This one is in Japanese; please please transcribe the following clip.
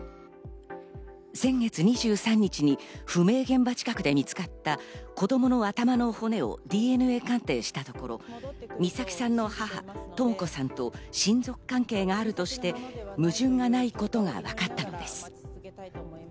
先月２３日に不明現場近くで見つかった子供の頭の骨をＤＮＡ鑑定したところ、美咲さんの母・とも子さんと親族関係があるとして矛盾がないことがわかったのです。